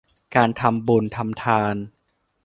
การทำบุญทำทาน